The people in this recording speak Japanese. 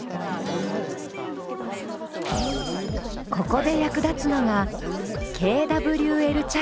ここで役立つのがＫＷＬチャート。